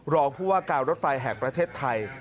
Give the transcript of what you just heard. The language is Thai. รองผู้ว่าการรถไฟแห่งประเทศไทย